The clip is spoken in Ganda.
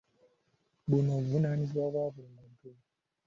Buno buvunaanyizibwa bwa buli muntu.